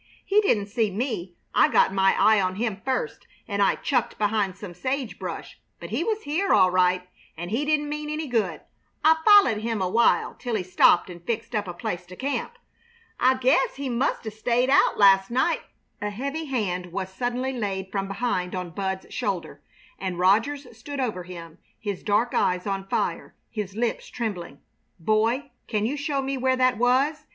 He didn't see me. I got my eye on him first, and I chucked behind some sage brush, but he was here, all right, and he didn't mean any good. I follahed him awhile till he stopped and fixed up a place to camp. I guess he must 'a' stayed out last night " A heavy hand was suddenly laid from behind on Bud's shoulder, and Rogers stood over him, his dark eyes on fire, his lips trembling. "Boy, can you show me where that was?"